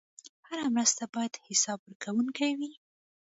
هره مرسته باید حسابورکونکې وي.